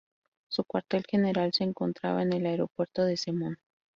Su cuartel general se encontraba en el Aeropuerto de Zemun.